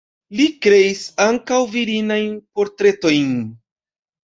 Li kreis ankaŭ virinajn portretojn.